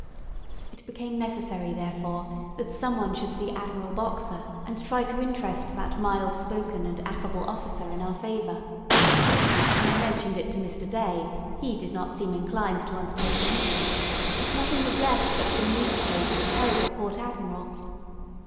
It became necessary, therefore, that some one should see Admiral Boxer, and try to interest that mild spoken and affable officer in our favour. When I mentioned it to Mr. Day, he did not seem inclined to undertake the mission, and nothing was left but for me to face the terrible Port Admiral.